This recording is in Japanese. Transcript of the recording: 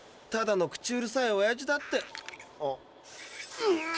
ただの口うるさいおやじだって。